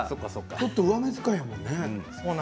ちょっと上目遣いやもんね。